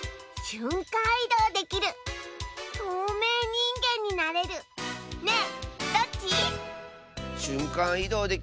しゅんかんいどうできるまほうととうめいにんげんになれるまほうかあ。